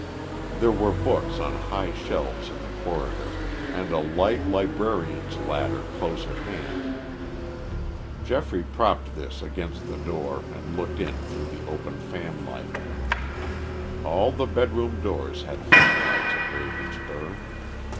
There were books on high shelves in the corridor, and a light librarian's ladder close at hand. Geoffrey propped this against the door and looked in through the open fanlight. All the bed room doors had fanlights at Ravenspur.